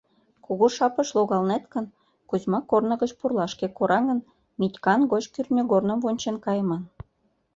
Кугу Шапыш логалнет гын, Кузьма корно гыч пурлашке кораҥын, Митькан гоч кӱртньыгорным вончен кайыман.